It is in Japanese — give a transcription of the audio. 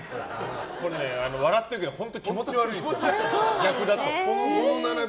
これね、笑ってるけど本当に気持ち悪いですから逆だと。